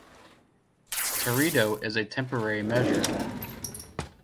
Teredo is a temporary measure.